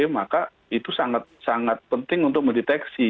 maka itu sangat sangat penting untuk mendeteksi